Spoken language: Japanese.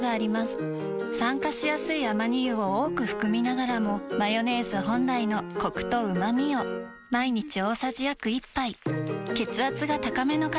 酸化しやすいアマニ油を多く含みながらもマヨネーズ本来のコクとうまみを毎日大さじ約１杯血圧が高めの方に機能性表示食品